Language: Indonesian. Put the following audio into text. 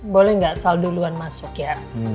boleh nggak sal duluan masuk ya